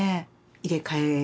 入れ替えが。